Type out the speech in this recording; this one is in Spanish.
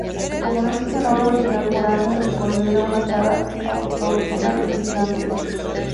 Como no existe una obra original foránea, se considera una saga autóctona de Islandia.